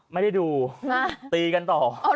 ไม่ได้ดูตีกันต่อ